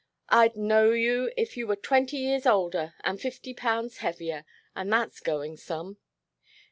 I'd know you if you were twenty years older and fifty pounds heavier and that's going some.